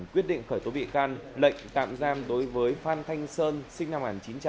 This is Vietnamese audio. quyết định khởi tố bị can lệnh tạm giam đối với phan thanh sơn sinh năm một nghìn chín trăm tám mươi